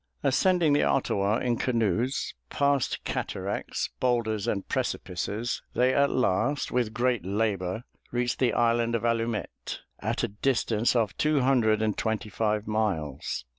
Ascending the Ottawa in canoes, past cataracts, boulders, and precipices, they at last, with great labor, reached the island of Allumette, at a distance of two hundred and twenty five miles.